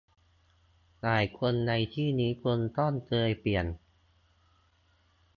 หลายคนในที่นี้คงต้องเคยเปลี่ยน